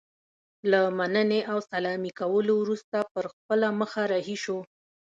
له مننې او سلامي کولو وروسته پر خپله مخه رهي شو.